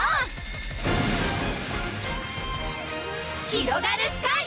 ひろがるスカイ！